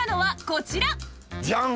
ジャン！